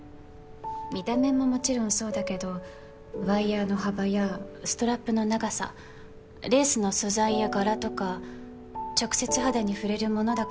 見た目ももちろんそうだけどワイヤーの幅やストラップの長さレースの素材や柄とか直接肌に触れるものだから